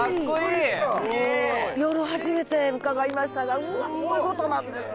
夜初めて伺いましたがうわっこういう事なんですね！